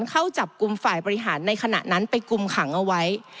เข้าจับกลุ่มฝ่ายบริหารในขณะนั้นไปกุมขังเอาไว้